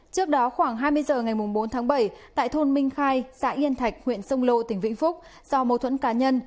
trước đó khoảng hai mươi h ngày bốn tháng bảy tại thôn minh khai xã yên thạch huyện sông lô tỉnh vĩnh phúc do mâu thuẫn cá nhân